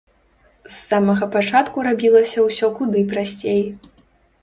З самага пачатку рабілася ўсё куды прасцей.